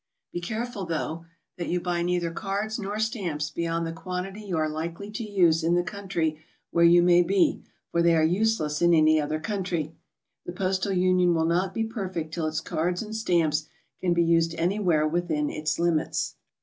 Be careful, though, that you SOMEWHAT FINANCIAL. 209 buy neither cards nor stamps beyond the quantity you are likely to use in the country where you may be, for they are useless in any other country. The Postal Union will not be perfect till its cards and stamps can be used anywhere within its limits.